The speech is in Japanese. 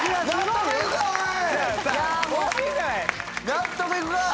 納得いくか！